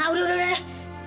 nah udah udah udah